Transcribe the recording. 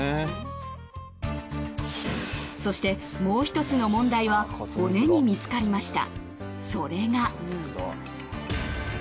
そしてもうひとつの問題は骨に見つかりました。